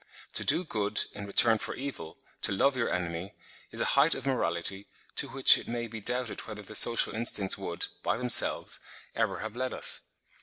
To do good in return for evil, to love your enemy, is a height of morality to which it may be doubted whether the social instincts would, by themselves, have ever led us.